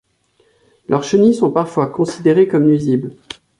Leurs chenilles sont parfois considérées comme nuisibles.